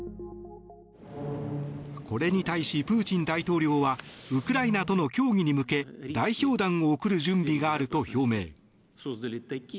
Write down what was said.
これに対し、プーチン大統領はウクライナとの協議に向け代表団を送る準備があると表明。